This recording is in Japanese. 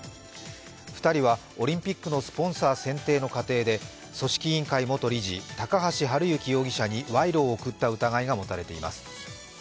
２人はオリンピックのスポンサー選定の過程で組織委員会元理事高橋治之容疑者に賄賂を贈った疑いが持たれています。